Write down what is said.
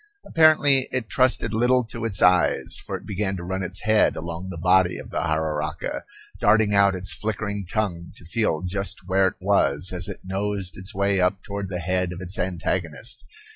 Apparently it trusted little to its eyes, for it began to run its head along the body of the jararaca, darting out its flickering tongue to feel just where it was, as it nosed its way up toward the head of its antagonist.